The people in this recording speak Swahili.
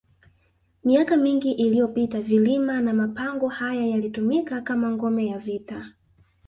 Miaka mingi iliyopita vilima na mapango haya yalitumika kama ngome ya vita